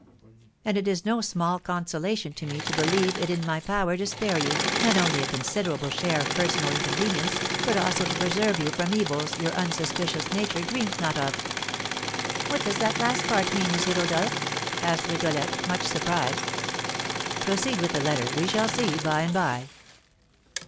And it is no small consolation to me to believe it in my power to spare you, not only a considerable share of personal inconvenience, but also to preserve you from evils your unsuspicious nature dreams not of.' "What does that last part mean, M. Rodolph?" asked Rigolette, much surprised. "Proceed with the letter; we shall see by and by."